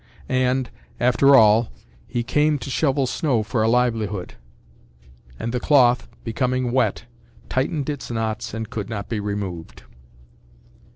And, after all, he came to shovel snow for a livelihood; and the cloth, becoming wet, tightened its knots and could not be removed.